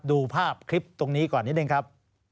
ดูภาพคลิปตรงนี้ก่อนนิดนึงครับ